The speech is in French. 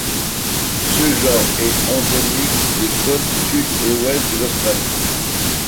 Ce genre est endémique des côtes sud et ouest de l'Australie.